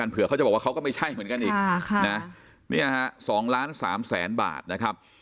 เผื่อเขาจะบอกว่าเขาก็ไม่ใช่เหมือนกันอีก๒ล้าน๓แสนบาทนะครับ